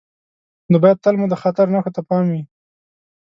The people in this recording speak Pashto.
نو باید تل مو د خطر نښو ته پام وي.